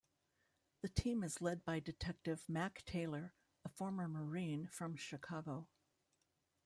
The team is led by Detective Mac Taylor, a former Marine from Chicago.